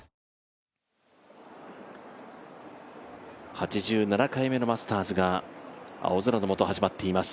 ８７回目のマスターズが青空のもと始まっています。